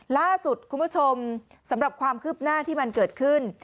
ล่าสุดคุณผู้ชมสำหรับความคืบหน้าที่มันเกิดขึ้น